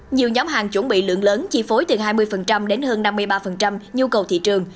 nhiều nhóm hàng chuẩn bị lượng lớn chi phối từ hai mươi đến hơn năm mươi ba nhu cầu thị trường